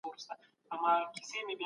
د یوې خاصې ژبې یا سیمې تعصب مه لرئ.